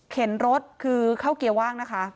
รถคือเข้าเกียร์ว่างนะคะ